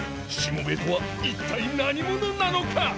しもべえとは一体何者なのか！？